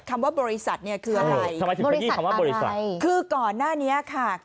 คำว่าบริษัทคืออะไรคือก่อนหน้านี้ค่ะ